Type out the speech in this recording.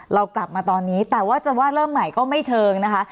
เรากลับมาตอนนี้แต่ว่าจะว่าเริ่มใหม่ก็ไม่เชิงนะคะ